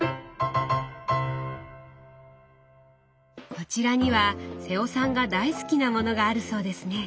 こちらには瀬尾さんが大好きなものがあるそうですね。